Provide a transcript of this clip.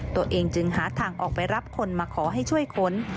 ตัวเองจึงหาทางออกไปรับคนมาขอให้ช่วยขน